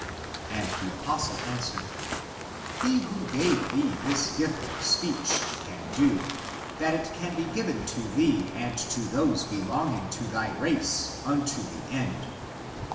And the apostle answered, " He who gave thee this gift (of speech) can do, that it be given to thee and to those belonging to thy race unto the end.